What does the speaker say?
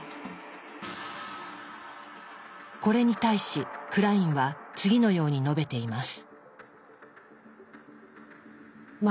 これに対しクラインは次のように述べています。